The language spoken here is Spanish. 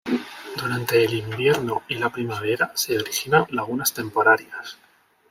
Durante el invierno y la primavera se originan lagunas temporarias.